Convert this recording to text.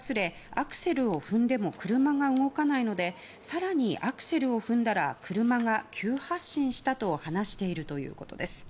アクセルを踏んでも車が動かないので更にアクセルを踏んだら車が急発進したと話しているということです。